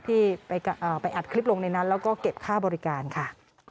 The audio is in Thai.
ที่ไปอัดคลิปลงในนั้นแล้วก็เก็บค่าบริการค่ะ